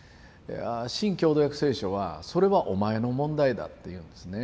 新共同訳聖書は「それはお前の問題だ」っていうんですね。